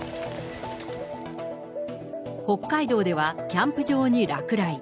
北海道では、キャンプ場に落雷。